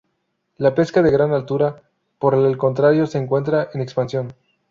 La "pesca de gran altura", por el contrario, se encuentra en expansión.